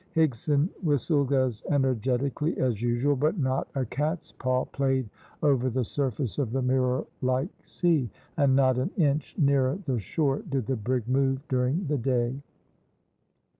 Higson whistled as energetically as usual, but not a catspaw played over the surface of the mirror like sea, and not an inch nearer the shore did the brig move during the day.